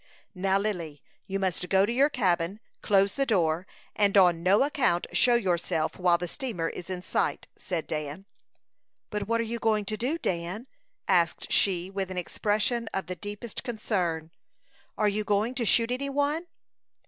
"Now, Lily, you must go to your cabin, close the door, and on no account show yourself while the steamer is in sight," said Dan. "But what are you going to do, Dan?" asked she, with an expression of the deepest concern. "Are you going to shoot any one?"